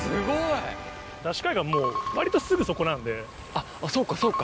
あっそうかそうか。